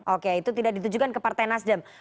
oke itu tidak ditujukan ke partai nasdem